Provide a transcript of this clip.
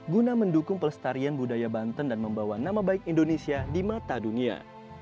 guna mendukung pelestarian budaya banten dan membawa nama baik indonesia di mata dunia